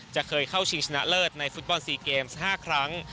จะเคยเข้าชิงชนะเลิศในฟุตบอล๔เกมส์๕ครั้ง